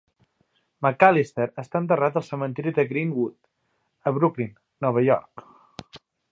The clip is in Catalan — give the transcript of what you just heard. McAllister està enterrat al cementiri de Green-Wood, a Brooklyn, Nova York.